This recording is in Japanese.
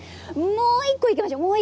もう１個いきましょう。